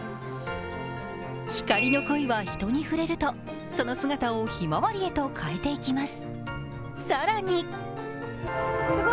光の鯉は人に触れるとその姿をひまわりへと変えていきます。